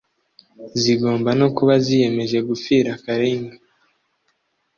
zigomba no kuba ziyemeje gupfira karinga.